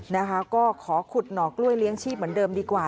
นะคะก็ขอขุดหน่อกล้วยเลี้ยงชีพเหมือนเดิมดีกว่า